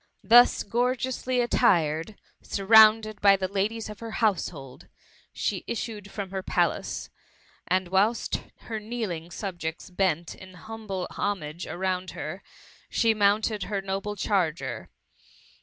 Thus gorgeously attired^ surrounded by the ladies of her household, she issued from her palace; and whilst her kneeling subjects bent in hum ble homage around her, she mounted her m> ble charger.